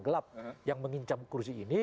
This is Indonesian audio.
gelap yang mengincam kursi ini